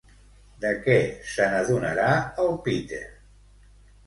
De què se n'adonarà el Peter?